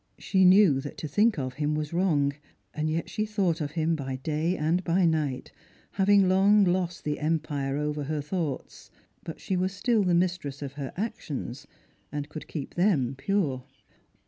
She knew that to think of him was wrong, yet she thought of him by day and by night, having long lost the empire over her thoughts. But she was still the mistress of her actions, and could keep them pure.